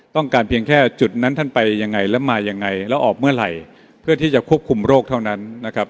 เพียงแค่จุดนั้นท่านไปยังไงแล้วมายังไงแล้วออกเมื่อไหร่เพื่อที่จะควบคุมโรคเท่านั้นนะครับ